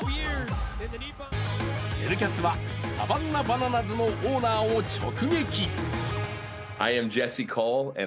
「Ｎキャス」はサバンナバナナズのオーナーを直撃。